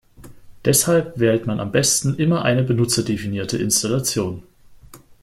Deshalb wählt man am besten immer eine benutzerdefinierte Installation.